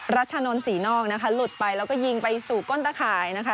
รัชนนทศรีนอกนะคะหลุดไปแล้วก็ยิงไปสู่ก้นตะข่ายนะคะ